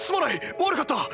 悪かった！